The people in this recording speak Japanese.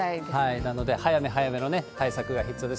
なので、早め早めの対策が必要です。